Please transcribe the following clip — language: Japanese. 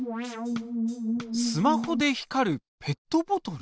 スマホで光るペットボトル？